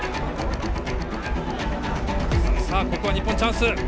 さあここは日本チャンス。